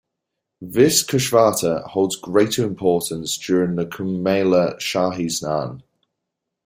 This Kushvarta holds greater importance during the Kumbhmela shahi snan.